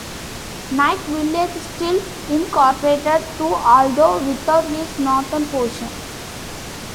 Nyack village still incorporated, too, although without this northern portion.